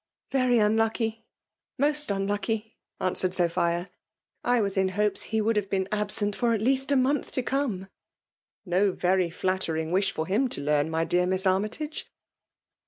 " Very unlucky — most unlucky," answered Sophia. " I was in hopes he would have been absent for at least a month to come !"" No very flattering wish for him to learn, my dear Miss Armytage.